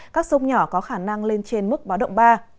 các sông nhỏ có khả năng lên trên mức báo động ba